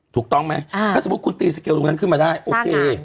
ถูกต้องไหมถ้าสมมุติคุณตีสเกลตรงนั้นขึ้นมาได้โอเค